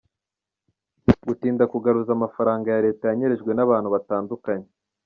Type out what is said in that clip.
Gutinda kugaruza amafaranga ya leta yanyerejwe n’abantu batandukanye .